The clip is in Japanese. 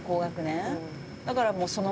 だからもう。